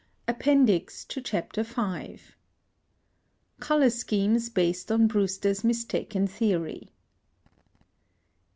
APPENDIX TO CHAPTER V. +Color schemes based on Brewster's mistaken theory.